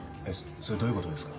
それどういうことですか？